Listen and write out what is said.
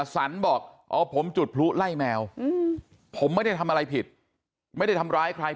สันบอกอ๋อผมจุดพลุไล่แมวผมไม่ได้ทำอะไรผิดไม่ได้ทำร้ายใคร